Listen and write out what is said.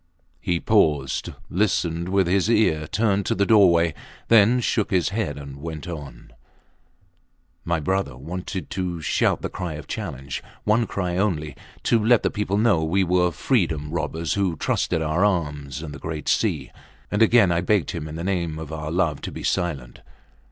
He paused, listened with his ear turned to the doorway, then shook his head and went on: My brother wanted to shout the cry of challenge one cry only to let the people know we were freeborn robbers who trusted our arms and the great sea. And again I begged him in the name of our love to be silent.